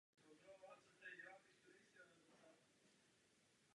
Některé artefakty z paleolitu lze duchovně interpretovat.